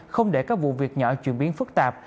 không để các vụ việc nhỏ chuyển biến phức tạp